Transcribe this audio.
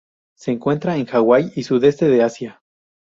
Se encuentra en Hawai y Sudeste de Asia.